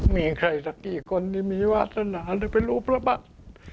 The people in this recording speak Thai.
มีใครสักกี่คนที่มีวาสนาได้เป็นรูประบัติ